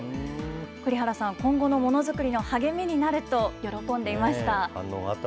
栗原さん、今後のものづくりの励みになると喜んでいました。